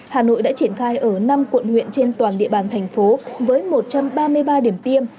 hà nội đã triển khai ở năm quận huyện trên toàn địa bàn thành phố với một trăm ba mươi ba điểm tiêm